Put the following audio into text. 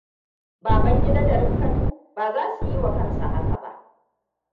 Babangida da Rifkatu ba za su yi wa kansu haka ba.